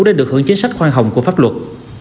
để được hưởng chính sách khoan hồng của pháp luật